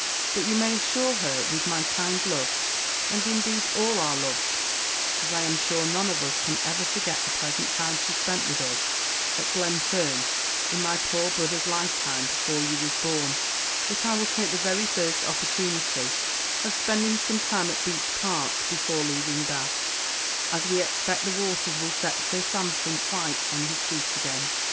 But you may Assure her, with my Kind love, and indeed all our Loves (as I am sure None of us can ever forget the Pleasant time she spent with us at Glenfern in my Poor brother's lifetime, before you was Born), that I will Take the very first Opportunity of Spending some time at Beech Park before leaving Bath, as we Expect the Waters will set Sir Sampson quite on his Feet again.